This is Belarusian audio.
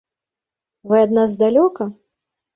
Вы ад нас далёка?